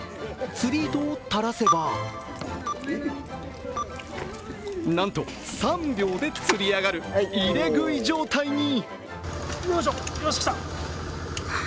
釣り糸を垂らせばなんと３秒で釣り上がる入れ食い状態に。